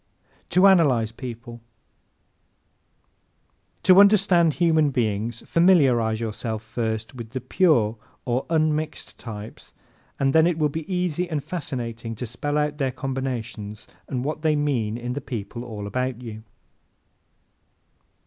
To Analyze People ¶ To understand human beings familiarize yourself first with the PURE or UNMIXED types and then it will be easy and fascinating to spell out their combinations and what they mean in the people all about you.